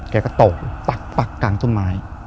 แกก็โต๊ะตักปักกลางทุ่มไม้